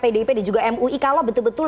pdip dan juga mui kalau betul betul